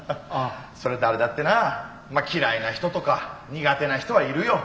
そりゃ誰だってな嫌いな人とか苦手な人はいるよ。